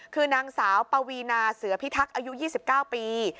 คือนางสาวปวีนาเสือพิทักษ์อายุ๒๙ปี